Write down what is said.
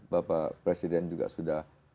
bapak presiden juga sudah